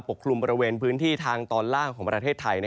กลุ่มบริเวณพื้นที่ทางตอนล่างของประเทศไทย